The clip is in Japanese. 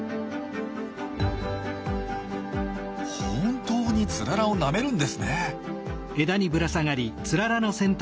本当にツララをなめるんですね。